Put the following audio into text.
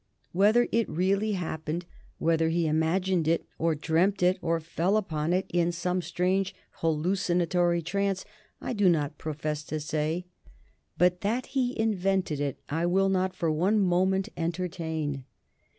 Whether it really happened, whether he imagined it or dreamt it, or fell upon it in some strange hallucinatory trance, I do not profess to say. But that he invented it I will not for one moment entertain.